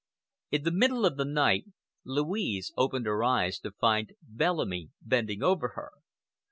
In the middle of the night, Louise opened her eyes to find Bellamy bending over her.